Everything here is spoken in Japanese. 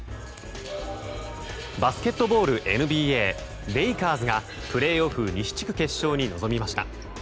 バスケットボール、ＮＢＡレイカーズがプレーオフ西地区決勝に臨みました。